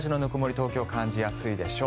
東京は感じやすいでしょう。